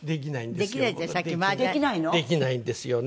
できないんですよね。